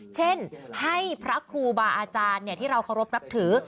เช่นให้พระครูบาอาจารย์ที่เราเคารพนับถือ